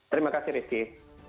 terima kasih rizky